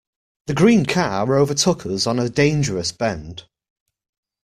The green car overtook us on a dangerous bend.